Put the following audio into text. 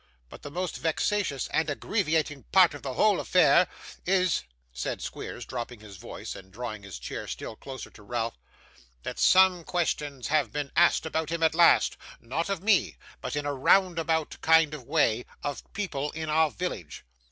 But the most vexatious and aggeravating part of the whole affair is,' said Squeers, dropping his voice, and drawing his chair still closer to Ralph, 'that some questions have been asked about him at last not of me, but, in a roundabout kind of way, of people in our village.